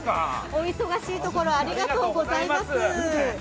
お忙しいところありがとうございます。